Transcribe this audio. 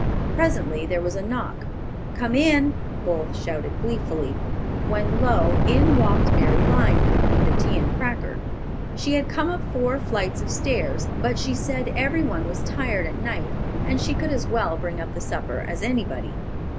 Presently there was a knock. "Come in!" both shouted gleefully, when lo! in walked Mary Lyon, with the tea and cracker. She had come up four flights of stairs; but she said every one was tired at night, and she could as well bring up the supper as anybody.